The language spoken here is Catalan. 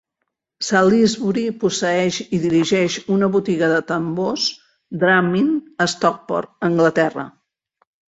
Salisbury posseeix i dirigeix una botiga de tambors, "Drummin", a Stockport, Anglaterra.